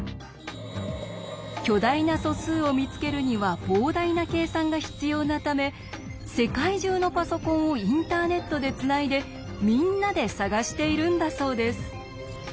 巨大な素数を見つけるには膨大な計算が必要なため世界中のパソコンをインターネットでつないでみんなで探しているんだそうです。